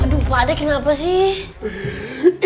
aduh padek kenapa sih